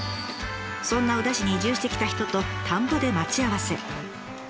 そんな宇陀市に移住してきた人と田んぼで待ち合わせ。